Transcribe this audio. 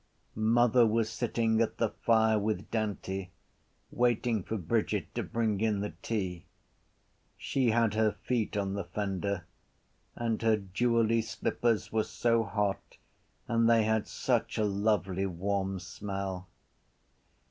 Mother was sitting at the fire with Dante waiting for Brigid to bring in the tea. She had her feet on the fender and her jewelly slippers were so hot and they had such a lovely warm smell!